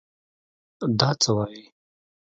دا څه وايې.